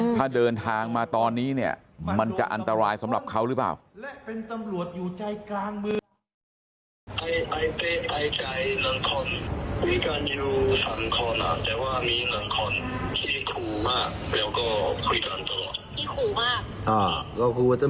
ถ้าเดินทางมาตอนนี้เนี่ยมันจะอันตรายสำหรับเขาหรือเปล่า